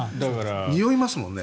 においますもんね。